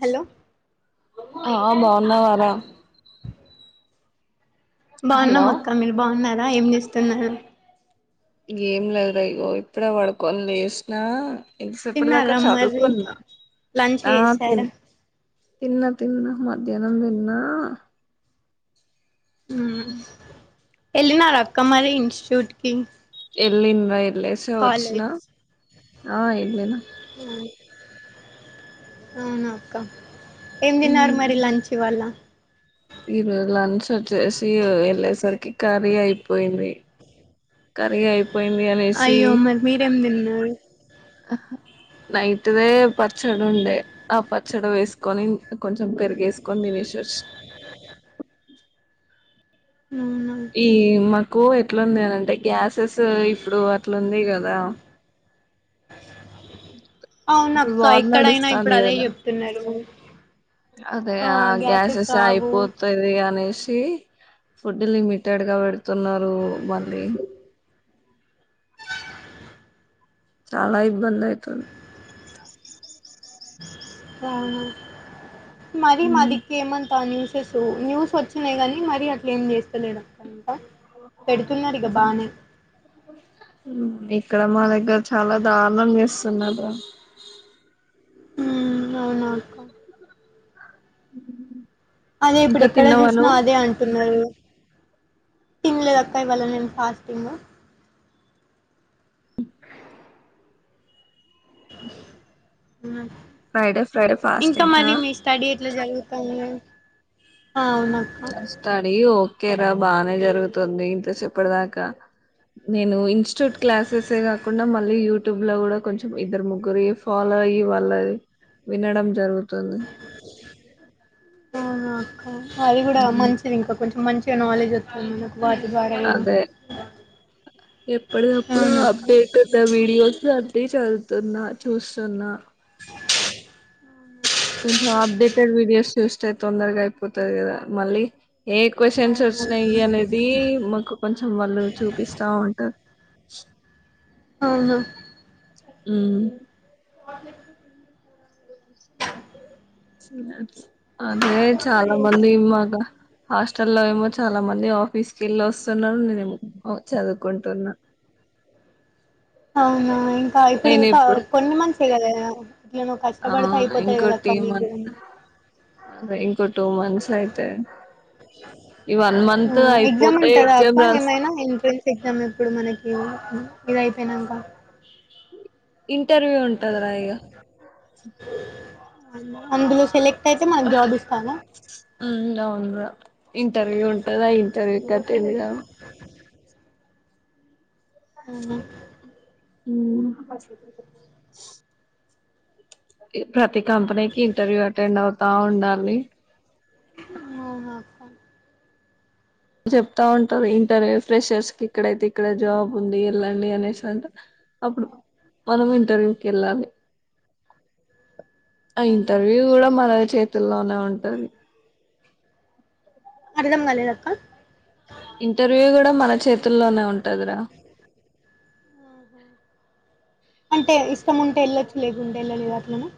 Hello ఆ బాగున్నావారా hello [unintelligible] మక్క మీరు బాగున్నారా ఏం చేస్తున్నారు ఏం లేదు రా ఇగో ఇప్పుడే పడుకోని లేసినా ఎంతసేప్పటి దాక తిన్నారా మరి చదువుకున్నా లంచ్ ఆ తి చేసారా తిన్న తిన్న మధ్యానం తిన్నా వెళ్ళినారా అక్క మళ్లీ ఇన్స్టిట్యూట్కి [unintelligible] వచ్చిన ఆ ఎల్లీనా ఆ అవును అక్క ఏం ఉమ్, తిన్నారు మరి లంచ్ ఇవాళ ఈరోజు లంచ్ వచ్చేసి వెళ్ళేసరికి ఖర్రీ అయిపోయింది కర్రీ అయిపోయింది అనేసి ఉ హ నైట్ దే పచ్చడుంది ఆ పచ్చడి వేసుకొని కొంచెం పెరుగు వేసుకొని తినేసి వచ్చిన ఉ అవునా ఈ మాకు ఎట్లున్నది అనంటే గ్యాసెస్ ఇప్పుడు అట్లుంది కదా ఇప్పుడు అవునక్క వార్ ఎక్కడైనా ఇప్పుడు నడుస్తాంది అదే కదా చెప్తున్నారు అదే ఆ గ్యాసెస్ అయిపోతది అనేసి ఇ ఫుడ్ లిమిటెడ్ గా పెడుతున్నారు మళ్ళీ చాలా ఇబ్బంది అయితుంది మరి ఉమ్. మాదిక్కు ఏమంతా న్యూసెస్ న్యూస్ వచ్చినయి గాని మరీ అట్లే ఏం చేస్తలేడు పెడుతున్నారు ఇక బానే ఇక్కడ మా దగ్గర చాలా దారుణం చేస్తు తిన్నారా మ్మ్ అవునా అక్క ఉ అదే ఇప్పుడు ఎక్కడ చూసినా అదే అంటున్నారు ఏం లేదక్క ఇవ్వళ నేను ఫాస్టింగ్ ఫ్రైడే ఫ్రైడే ఇంకా ఫాస్టింగ్ మరి ఆ మీ స్టడీ ఎట్లా జరుగుతంది అ స్టడీ ఓ కేరా బాగానే జరుగుతుంది ఇంతసేపటి దాకా నేను ఇన్స్టిట్యూట్ క్లాసెసే కాకుండా మన మళ్ళీ యూట్యూబ్ లో కూడా కొంచెం ఇద్దరు ముగ్గురు ఫాలో అయ్యి వాళ్ళది వినడం జరుగుతుంది అవునా అక్క అది కూడా ఉమ్, మంచిది ఇంకొకరికి మంచిగా నాలెడ్జ్ వస్తుంది మన అదే ఎప్పడి దప్పుడు అవునక్క అప్డేట్ ఉన్న వీడియోస్ అ చదువుతున్నా చూస్తున్నా అప్డేటెడ్ విడియోస్ చూస్తూ తొందరగా అయిపోతది కదా మళ్ళీ ఏ కొషన్స్ అవును వచ్చినాయి అనేది మాకు కొంచెం వాళ్ళు చూపిస్తా ఉంటారు అవునా మ్మ్ హ్హ్ పో అదే చాలా మంది మాట హాస్టల్లో ఏమో చాలా మంది ఆఫీస్ కెళ్ళి వస్తున్నారు నేనేమో చదువుకుంటున్నా [inaudible] అవునా ఇంకా ఇప్పుడు ఇంకా కొన్ని మంత్సే కదా ఇగ నువ్వు ఆ కష్టపడితే అయిపోతది ఇంకో టీ కదక్క మీకు మంత్ అదే ఇంకో టూ మంత్స్ అయిపోయింది [inaudible] హా ఎగ్జామ్ ఉంటదా ఎగ్జామ్ అక్క రాస్ ఏమైనా ఎంట్రన్స్ ఎగ్జామ్ ఇప్పుడు మనకి ఇదైపోయినంక ఇంటర్వ్యూ ఉంటదిరా ఇగ అందులో సెలెక్ట్ అయితే మనకు జాబ్ ఇస్తారా మ్మ్ అవునురా ఇంటర్వ్యూ ఉంటది ఆ ఇంటర్వ్యూకి అటెండ్ కావాలి అవునా మ్మ్ హ్హ్ ప్రతి కంపెనీకి ఇంటర్వ్యూ అటెండ్ అవుతా ఉండాలి అవునా అక్క చెప్తా ఉంటది ఇంటర్ ఫ్రెషర్స్ కి ఇక్కడైతే ఇక్కడ జాబ్ ఉంది వెళ్ళండి అనేసి అంటది అప్పుడు మనం ఇంటర్వ్యూకి వెళ్ళాలి ఆ అవునా అక్క ఇంటర్వ్యూ కూడా మన చేతుల్లోనే ఉంటది అర్ధం కాలేదక్క ఇంటర్వ్యూ కూడా మన చేతుల్లోనే ఉంటదిరా అంటే ఇష్టం ఉంటే వెళ్ళొచ్చు లేకుంటే వెళ్ళలేదు అట్లనా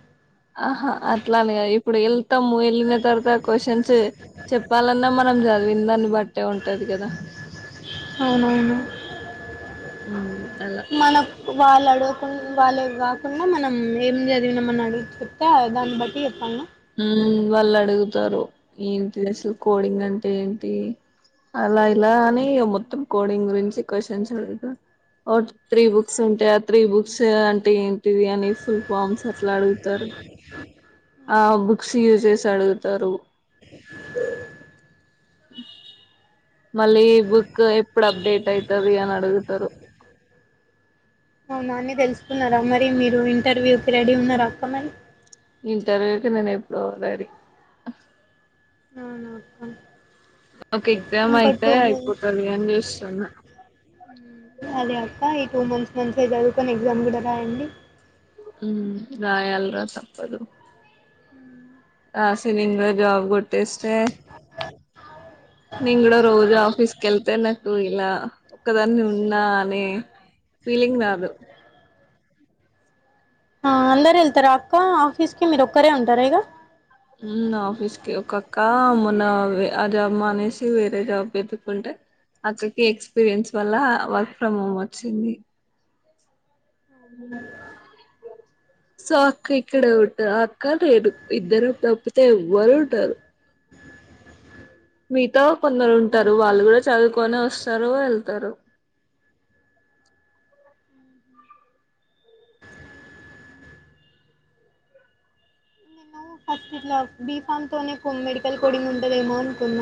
ఆహ అట్లాని కాదు ఇప్పుడు ఎల్ తాము వెళ్ళిన తర్వాత క్వశ్చన్స్ చెప్పాలన్నా మనం చదివిన దాన్ని బట్టే ఉంటది కదా [inaudible] అవున ఊ అలా మనకు వాళ్ళు అడగకుం వాళ్ళు కాకుండా మనం ఏం చదివినాం అని అడిగి తే దాన్ని బట్టి చెప్పాల్న ఉ వాళ్ళు అడుగుతారు ఏంటి అసలు కోడింగ్ అంటే ఏంటి అలా ఇలా అని మొత్తం కోడింగ్ గురించి క్వశ్చన్స్ ఉంటై ఒక త్రీ బుక్స్ ఉంటాయి ఆ త్రీ బుక్స్ అంటే ఏంటిది అని ఫుల్ ఫామ్స్ అట్లా అడుగుతారు ఆ బుక్స్ యూజ్ చేసి అడుగుతారు మళ్ళీ బు క్ ఎప్పుడు అప్డేట్ అయితది అని అడుగుతారు అవునా అని తెలుసుకున్నారా మరి మీరు ఇంటర్వ్యూకి రెడీ ఉన్నారా అక్కమరీ ఇంటర్వ్యూకి నేను ఎప్పుడో రెడీ అవునా అక్క ఒక ఎగ్జామ్ ఇంకో అయితే టూ మంత్స్ అయిపోతది అని చూస్తున్నా అదే అక్క ఈ టూ మంత్స్ మంచిగా చదువుకొని ఎగ్జామ్ కూడా రాయండి ఉ రాయాలి రా తప్పదు ఆ జాబ్ కొట్టేస్తావ్ [inaudible] తే నెంగూడ రోజు ఆఫీస్ కెళ్తే న డు ఇలా ఒక్కదాన్ని ఉన్నా అనే ఫీలింగ్ రాదు ఆ అందరు వెళ్తారా అక్క ఆఫీస్కి మీరు ఒక్కరే ఉంటార ఇగ హూమ్ ఆఫీస్ కి ఒకక్కా మొన్న వే ఆ జాబ్ మానేసి వేరే జాబ్ ఎతుకుంటే అక్కకి ఎక్స్పీరియన్స్ వల్ల వర్క్ ఫ్రమ్ హోమ్ వచ్చింది హుమ్ సో అక్క ఇక్కడే ఉంటాది అక్క నేను ఇద్దరం తప్పితే ఎవ్వరుండరు మీతో కొందరు ఉంటారు వాళ్ళు కూడా నేను చదువుకొని వస్తారు వెళ్తారు [inaudible] ఇట్లా బి ఫామ్ తోనే మెడికల్ కోడింగ్ ఉంటదేమో అనుకున్న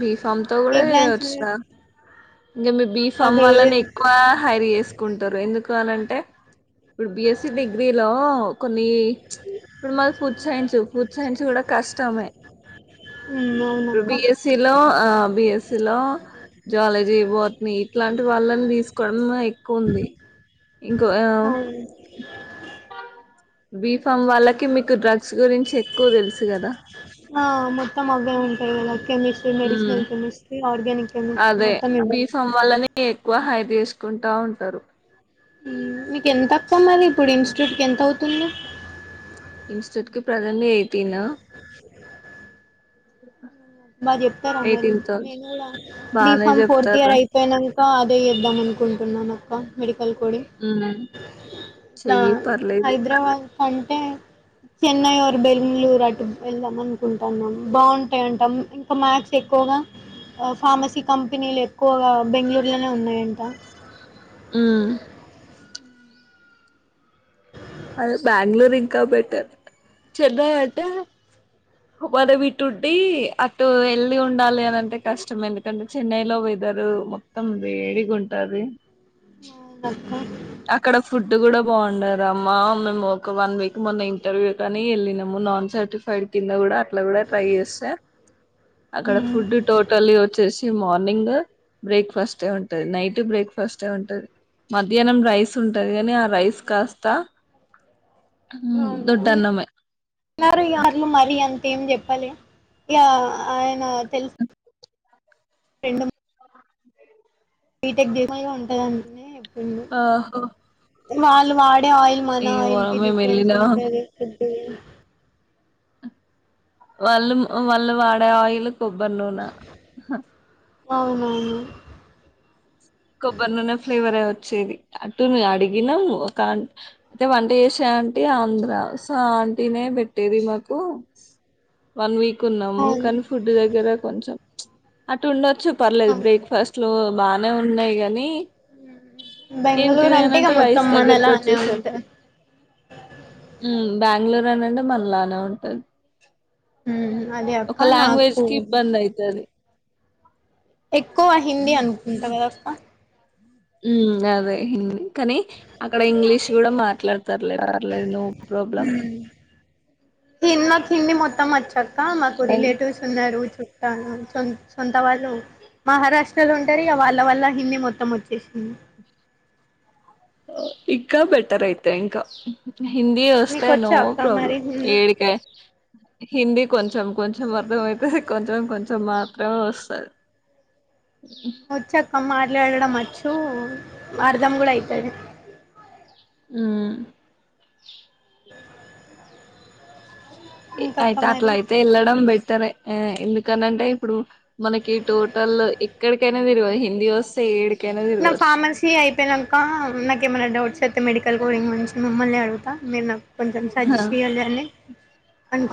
బిఫామ్ తో కూడా చేయవచ్చు ర ఇంకా మీ బీఫమ్ అదే వాళ్లనే ఎక్కువ హైరి చేసుకుంటారు ఎందుకు అనంటే ఇప్పుడు బిఎస్సి డిగ్రీలో కొన్ని ఇప్పుడు మళ్ళ ఫుడ్ సైన్స్ ఫుడ్ సైన్స్ కూడా కష్టమే ఇప్పుడు అవునక్క బిఎస్సి ఆ బిఎసి లొ జూవాలాజీ బోట్నీ ఇట్లాంటి వాళ్ళని తీసుకోవడం ఎక్కువ ఉంది ఇంకా ఆ అవును బిఫామ్ వాళ్ళకి మీకు డ్రగ్స్ గురించి ఎక్కువ తెలుసు కదా ఆ మొత్తం అవే ఉంటాయి కదా కెమిస్ట్రీ ఉమ్ మెడిసినల్ కమెస్ట్రీ ఆర్గ్యనిక్ కెమిస్ట్రీ మొత్తం బీఫమ్ వళ్లని ఎక్కువ హైర్ తీసుకుంటా ఉంటారు మీక ఎంత అక్క మరీ ఇప్పుడు ఇన్స్టిట్యూట్ కి ఎంత అవుతుంది ఇన్స్టిట్యూట్ కి ప్రజెంట్ ఎయిటీన్ బా చెప్తారా మరి ఎయిటీన్ థౌసండ్ నేను కుడా బానే బీఫామ్ ఫోర్త్ ఇయర్ చెప్తారా అయిపోయినాం కా అదే చేద్దాం అనుకుంటున్నాను అక్క మెడికల్ కోడింగ్ ఉమ్ ఇలా చెయ్యి పర్లేదు హైదరాబాద్ కంటే చెన్నై ఆర్ బెంగుళూరు అటు వెళ్దాం అనుకుంటున్నామ్ బాగుంటాయి అంట ఇంకా మ్యాక్స్ ఎక్కువగా ఫార్మసీ కంపెనీలు ఎక్కువగా బెంగళూరులోనే ఉన్నాయంట ఉమ్ అదే బెంగళూరు ఇంకా బెటర్ చెన్నై అంటే మనం ఇటుండీ అటు వెళ్ళి ఉండాలి అనంటే కష్టం ఎందుకంటే చెన్నైలో వెద రు మొత్తం వేడిగా ఉంటది అవునక్క అక్కడ ఫుడ్ కూడా బాగుండదు ర అమ్మా మేము ఒక వన్ వీక్ మొన్న ఇంటర్వ్యూ కాని వెళ్ళినామ్ నాన్ సర్టిఫైడ్ కింద కూడా అట్లా కూడా ట్రై చేస్తే అక్కడ ఉమ్. ఫుడ్ టోటల్లి వచ్చేసి మార్నింగ్ బ్రేక్ ఫాస్ట్ ఏ ఉంటది నైట్ బ్రేక్ ఫాస్ట్ ఏ ఉంటది మధ్యానం రైస్ ఉంటది కాని ఆ రైస్ కాస్త ఉమ్ దొడ్ అన్నమే అన్నారు వాళ్ళు మరి అంత ఏం చెప్పలే ఇక ఆయన తెలుసు [unintelligible] బిటెక్ చే [unintelligible] ఉంటదంటనే చెప్పిండు ఆహో వాళ్ళు వాడే ఆయిల్ మన ఏమో ఆయిల్ కి మేము డిఫరెన్స్ వెళ్ళిన ఉంటది ఫుడ్ వాళ్ళు వాళ్ళు వాడే ఆయిల్ కొబ్బరి నూన అవునవును కొబ్బరి నూన ఫ్లేవర్ ఏ వచ్చేది అటు ను అడిగినాము ఒక అయితే వంట చేసే ఆంటీ ఆంధ్ర సో ఆంటీ నే పెట్టేది మాకు వన్ వీక్ ఉన్నాము అవును కానీ ఫుడ్ దగ్గర కొంచెం ప్చ్ అటు ఉండొచ్చు పర్లేదు అవును. బ్రేక్ఫాస్ట్ లో బా గున్నాయి గానీ బెంగళూరు అంటే ఇక ఏంటిదేనంటే మొత్తం రైస్ దగ్గరకు మనలానే వచ్చేసరికి ఉంటది ఉమ్ బెంగళూరు అనంటే మళ్ళ నా అంటది అదే అక్క ఒక లాంగ్వేజ్ నాకు కి ఇబ్బంది అయితది ఎక్కువ హిందీ అనుకుంటా కదక్క ఉమ్ అదే హిందీ కానీ అక్కడ ఇంగ్లీష్ కూడా మాట్లాడతారులే పర్లేదు నో ప్రాబ్లం చిన్న హిందీ మొత్తం వచ్చక్క మాకు రిలేటివ్స్ ఉన్నారు చుట్టాలు సో సొంత వాళ్లు మహారాష్ట్రలో ఉంటారు ఇగ వాళ్ళ వల్ల హిందీ మొత్తం వచ్చేసింది ఇంకా బెటర్ అయితే ఇంకా హిందీ మీకు వస్తే నో వచ్చా అక్క మరి ప్రాబ్లమ్ హిందీ ఏడికే హిందీ కొంచెం కొంచెం అర్థమైతది కొంచెం కొంచెం మాత్రమే వస్తాది వచ్చక్క మాట్లాడడం వచ్చు అర్దం కూడా అయితది ఉమ్ ఇంకక్క అయితే అట్ల మరి అయితే ఎల్లడం బెటరే ఆ ఎందుకని అంటే ఇప్పుడు మనకి టోటల్ ఎక్కడికైనా తిరుగు హిందీ వస్తే ఏడు నా ఫార్మసీ అయిపోయినాక నాకు ఏమైనా డౌట్స్ వస్తే మెడికల్ కోడింగ్ గురించి మిమ్మల్నే అడుగుతా మీరు నాకు కొంచెం సజెస్ట్ చేయాలి అని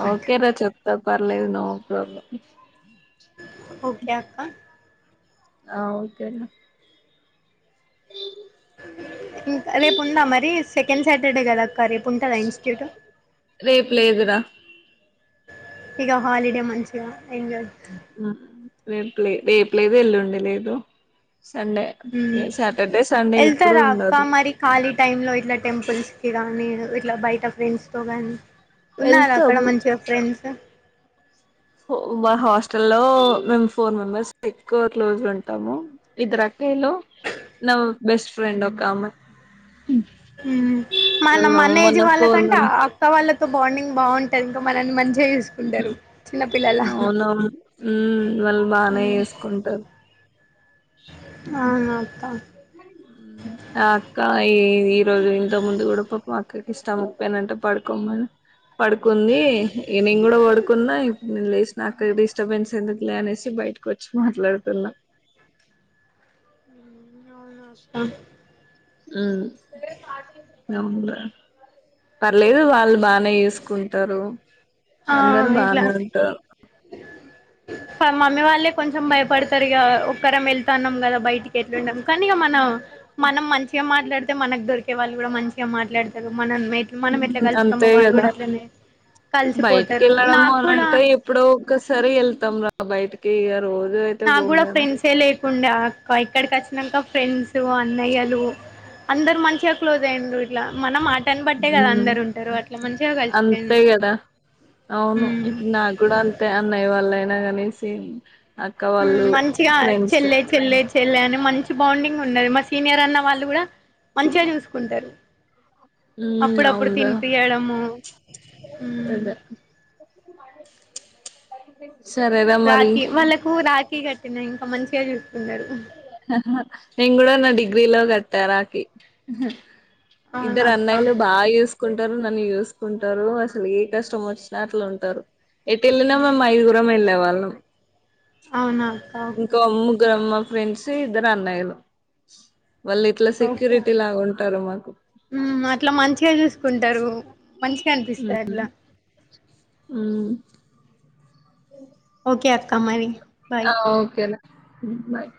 ఆ ఓకే రా చెప్తా పర్లేదు నో ప్రాబ్లమ్ ఓకే అక్క ఆ ఓకే రా అ [inaudible] ఇంకా రేపు ఉందా మరి సెకండ్ సాటర్డే కదా ఆ అక్క రేపు ఉంటదా ఇన్స్టిట్యూట్ రేపు లేదురా ఇగ హాలిడే మంచిగా ఎంజాయ్ ఆహా రేపు లే రేపు లేదు ఎల్లుండి లేదు సండే హ్మ్ సాటర్డే సండే ఇప్పుడు వెళ్తారా అక్క ఉండదు మరి ఖాళీ టైం లో ఇట్లా టెంపుల్స్ కి రా నీ ఇట్లా బయట ఫ్రెండ్స్ తో గాని ఉన్నారా అక్కడ వెళ్తాము మంచిగా ఫ్రెండ్స్ ఓ మా హాస్టలో మేము ఫోర్ మెంబర్స్ ఎక్కువ క్లోజ్ ఉంటాము ఇద్దరు అక గ్రీలో నా బెస్ట్ ఫ్రెండ్ ఒక ఆమె హ్ మన మేము మన ఏజ్ మొన్న ఫోర్ వాళ్ళకంటే మంత్స్ అక్క వాళ్ళకు తో బాండింగ్ బాగుంటంది ఇంకా మనల్ని మంచి చేసుకుంటారు చిన్నపిల్లలా అవునవును ఉమ్ వాళ్ళు బానే ఉ చేసుకుంటారు అవునా అక్క మ్మ్ ఆ అక్క ఈ ఈరోజు ఇంత ముందు కూడా పాపం అక్కకి స్టమక్ పెయిన్ అంట పడుకోమని పడుకుంది ఈగ నేను కూడా పడుకున్నా నేను లేసినా అక్క డిస్టర్బెన్స్ ఎందుకులే అనేసి బయటకు వచ్చి మాట్లాడుతున్నా అవునా అక్క హు అవునురా పర్లేదు వాళ్ళు బానే చుసుకుంటారు ఆ, అందరు బానే ఉంటారు కానీ మమ్మీ వాళ్ళే కొంచెం భయపడతారు ఇగ ఒక్కరం వెళ్తన్నాం కదా బయటికి ఎట్లా ఉండం కానీ ఇగా మనం మనం మంచిగా మాట్లాడితే మనకు దొరికే వాళ్ళు కూడా మంచిగా మాట్లాడతరు మనం మెట్ మనం ఎట్లా కలుస్తామో అంతే వాళ్ళు కదా కూడా అట్లనే బయటికి కలిసిపోతారు వెళ్ళడం నాకు అని కూడా అంటే ఎప్పుడో ఒక్కసారి వెళ్తాం రా బయటికి ఇగ రోజు అయితే నాకు పోము కూడా కదా ఫ్రెండ్సే ఏ లేకుండే అక్క ఇక్కడికి వచ్చినంక ఫ్రెండ్స్ అందరు అన్నయ్యలు అందరు మంచిగా క్లోజ్ అయ్యిర్రు ఇట్లా మనం మాట్ తన్ పట్టే ఉ కదా అందరు ఉంటారు అట్లా మంచిగా అంతే కలిసిపోయింది కదా అవును ఇప్పుడు నాకు కూడా అంతే అన్నయ్య వాళ్ళయినా కాని సి ఉ మంచిగా చెల్లె చెల్లె చె చెల్లె అని మంచి బాండింగ్ ఉన్నది మా సీనియర్ అన్న వాళ్ళు కూడా మంచిగా చూసుకుంటారు ఉమ్ అప్పుడప్పుడు అవునురా తినిపియ్యడం ఉ అదే [unintelligible] మరి రాఖీ వాళ్లకు రాఖీ కట్టినా ఇంకా మంచిగా చూ నేను కూడా నా డిగ్రీలో కట్టా రాఖీ అవునా ఇద్దరు అక్క అన్నయిలు బా యూస్ కుంటారు నన్ను చూసుకుంటారు అసలు ఏ కష్టం వచ్చినా అట్లా ఉంటారు ఎటు వెళ్ళినా మేము ఐదుగురం వెళ్ళే వాళ్ళం అవునా అక్క ఇంకా ఓకే ముగ్గురమ్మ ఫ్రెండ్స్ ఇద్దరు అన్నాయిలు ఓకే మ్మ్ అట్లా మంచిగా చూసుకుంటారు మంచిగా అనిపిస్తాది అట్లా ఉమ్ ఓకే అక్క మరి బాయ్ హ ఓకే రా బాయ్